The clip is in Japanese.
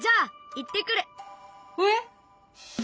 えっ！？